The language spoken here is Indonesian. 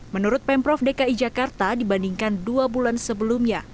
menurut pemprov dki jakarta dibandingkan dua bulan sebelumnya